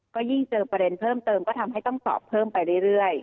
ก็ยิ่งเจอประเด็นเพิ่มเติมก็ทำให้ต้องสอบเพิ่มไปเรื่อย